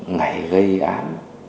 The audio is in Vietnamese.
ngày gây án